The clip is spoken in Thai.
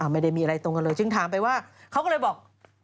ไม่ได้มีอะไรตรงกันเลยจึงถามไปว่าเขาก็เลยบอก